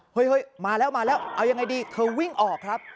เฮ้ยมาแล้วมาแล้วเอายังไงดีเธอวิ่งออกครับ